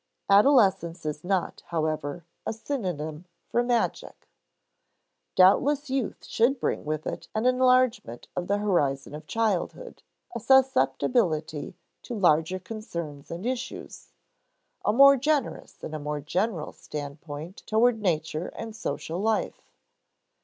Adolescence is not, however, a synonym for magic. Doubtless youth should bring with it an enlargement of the horizon of childhood, a susceptibility to larger concerns and issues, a more generous and a more general standpoint toward nature and social life.